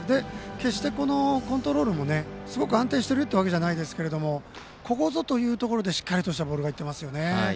決してコントロールもすごく安定してるというわけじゃないですけどここぞというところでしっかりとしたボールがいっていますよね。